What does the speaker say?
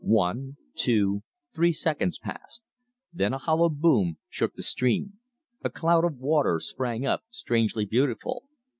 One, two, three seconds passed. Then a hollow boom shook the stream. A cloud of water sprang up, strangely beautiful.